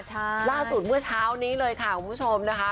ใช่ล่าสุดเมื่อเช้านี้เลยค่ะคุณผู้ชมนะคะ